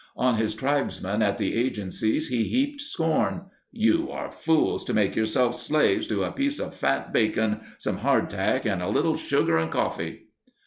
On his tribesmen at the agencies he heaped scorn: "You are fools to make yourselves slaves to a piece of fat bacon, some hard tack, and a little sugar and coffee."